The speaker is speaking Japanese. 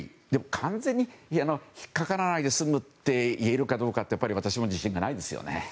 完全に引っかからないで済むといえるかどうかは私も自信がないですよね。